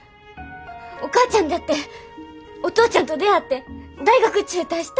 お母ちゃんだってお父ちゃんと出会って大学中退したんやろ。